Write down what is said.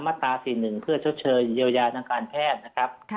ตรา๔๑เพื่อชดเชยเยียวยาทางการแพทย์นะครับ